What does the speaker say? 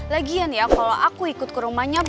lagian ya kalau aku ikut ke rumahnya